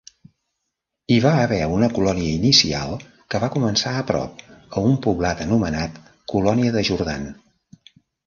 Hi va haver una colònia inicial que va començar a prop, a un poblat anomenat "colònia de Jordan".